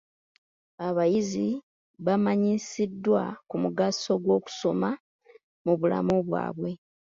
Abayizi baamanyisiddwa ku mugaso gw'okusoma mu bulamu baabwe.